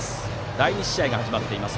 第２試合が始まっています。